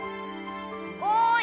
おい！